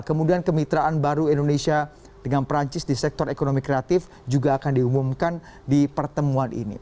kemudian kemitraan baru indonesia dengan perancis di sektor ekonomi kreatif juga akan diumumkan di pertemuan ini